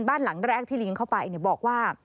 บ้านหลังแรกที่ลิงเข้าไปบอกว่า